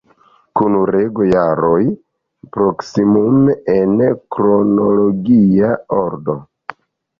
Kun rego-joroj; proksimume en kronologia ordo.